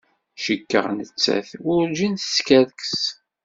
Cikkeɣ nettat werjin teskerkes.